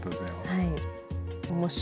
はい。